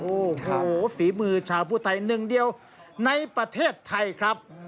โอ้โหฝีมือชาวผู้ไทยหนึ่งเดียวในประเทศไทยครับ